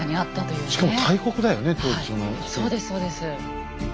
そうですそうです。